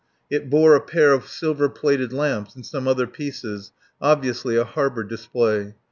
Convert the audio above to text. It bore a pair of silver plated lamps and some other pieces obviously a harbour display.